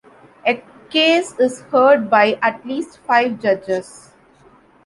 A case is heard by at least five judges.